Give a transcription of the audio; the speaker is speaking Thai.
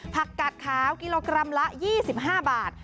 ผักกาดขาวกิโลกรัมละ๒๕บาท